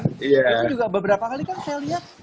itu juga beberapa kali kan saya lihat